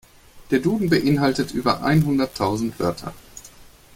Der Duden beeinhaltet über einhunderttausend Wörter.